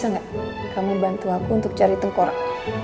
kalau gitu bisa gak kamu bantu aku untuk cari tengkorak